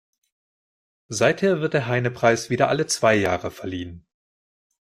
Seither wird der Heine-Preis wieder alle zwei Jahre verliehen.